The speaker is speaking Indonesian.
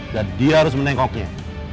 dan dia harus menengoknya